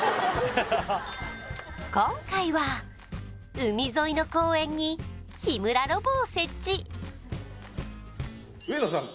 今回は海沿いの公園に日村ロボを設置上野さん